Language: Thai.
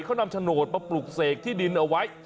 เขานำโฉนดมาปลุกเสกที่ดินเอาไว้